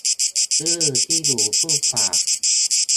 ชื่อที่อยู่ผู้ฝาก